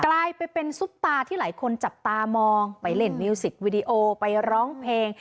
ลายไปเป็นซุปตาที่หลายคนจับตามองไปเล่นมิวสิกวิดีโอไปร้องเพลง